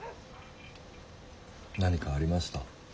何かありました？